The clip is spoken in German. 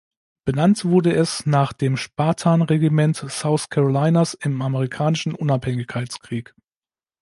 Benannt wurde es nach dem Spartan Regiment South Carolinas im Amerikanischen Unabhängigkeitskrieg.